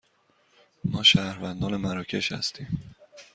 ما شهروندان مراکش هستیم.